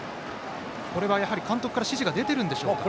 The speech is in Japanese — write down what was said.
これは監督から指示が出ているんでしょうか。